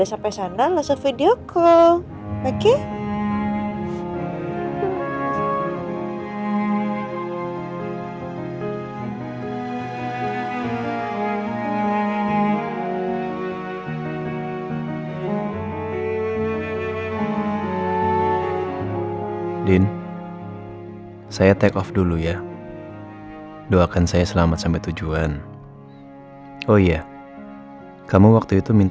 assalamualaikum warahmatullahi wabarakatuh